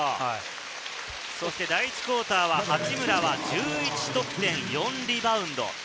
そして第１クオーターは八村は１１得点４リバウンド。